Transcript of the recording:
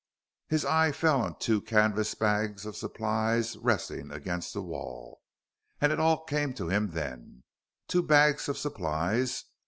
His eye fell on two canvas bags of supplies resting against the wall. And it all came to him then. Two bags of supplies.